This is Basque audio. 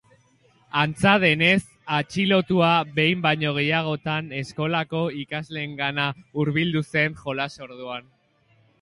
Antza denez, atxilotua behin baino gehiagotan eskolako ikasleengana hurbildu zen jolas-orduan.